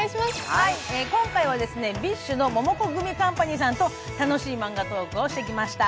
今回はＢｉＳＨのモモコグミカンパニーさんと楽しいマンガトークをしてきました。